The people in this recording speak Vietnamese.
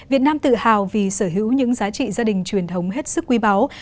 việt nam tự hào vì sở hữu những giá trị gia đình truyền thống hết sức quý báu